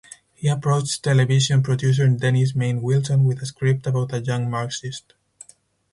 He approached television producer Dennis Main Wilson with a script about a young Marxist.